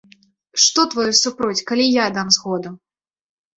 Што тваё супроць, калі я дам згоду.